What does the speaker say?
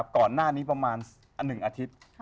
ก่อนหน้านี้ประมาณ๑อาทิตย์